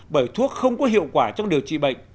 bởi thuốc không có hiệu quả trong điều trị bệnh